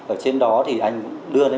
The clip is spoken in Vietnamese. ở trên đó thì anh cũng đưa ra